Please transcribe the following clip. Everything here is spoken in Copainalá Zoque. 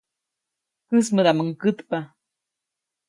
Käsmädaʼmuŋ kätpa.